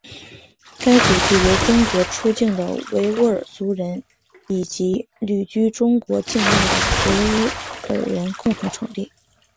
该组织由从中国出境的维吾尔族人以及旅居中国境外的维吾尔人共同成立。